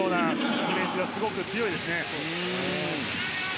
ディフェンスがすごく強いですね。